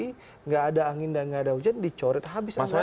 tidak ada angin dan nggak ada hujan dicoret habis angin